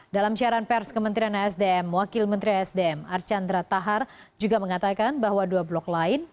dalam siaran pers kementerian asdm wakil menteri sdm archandra tahar juga mengatakan bahwa dua blok lain